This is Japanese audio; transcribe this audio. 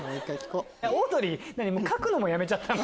オードリー書くのもやめたの？